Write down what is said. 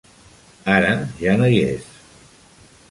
Ara ja no hi és.